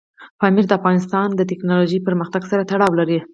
پامیر د افغانستان د تکنالوژۍ پرمختګ سره تړاو لري.